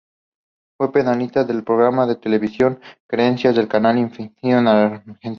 Fue panelista en el programa de televisión "Creencias" del Canal Infinito en Argentina.